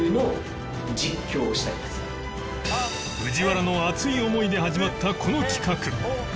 藤原の熱い思いで始まったこの企画